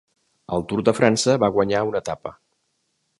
Al Tour de França va guanyar una etapa.